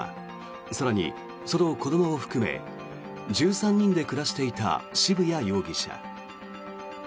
更にその子どもを含め１３人で暮らしていた渋谷容疑者。